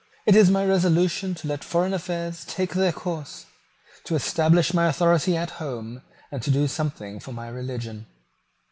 It is my resolution to let foreign affairs take their course, to establish my authority at home, and to do something for my religion."